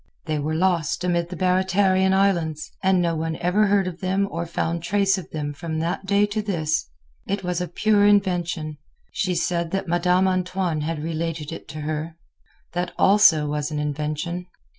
They were lost amid the Baratarian Islands, and no one ever heard of them or found trace of them from that day to this. It was a pure invention. She said that Madame Antoine had related it to her. That, also, was an invention.